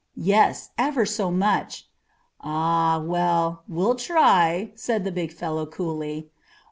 "Yes, ever so much." "Ah, well, we'll try," said the big fellow coolly.